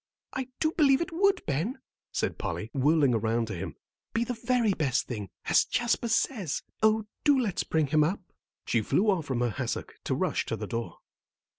"I do believe it would, Ben," said Polly, whirling around to him, "be the very best thing, as Jasper says. Oh, do let's bring him up." She flew off from her hassock to rush to the door.